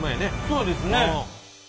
そうですね。